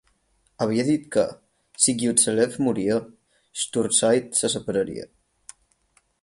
Havia dit que, si Gyuzelev moria, Shturcite se separaria.